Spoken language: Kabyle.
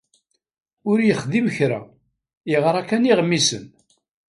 Ur yexdim kra, yeɣra kan iɣmisen.